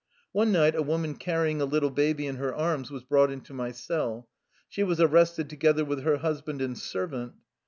One night a woman carrying a little baby in her arms was brought into my cell. She was arrested, together with her husband and servant.